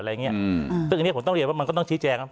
อะไรอย่างนี้ผมต้องเรียนว่ามันก็ต้องชี้แจง